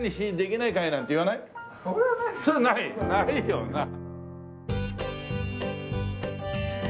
ないよな。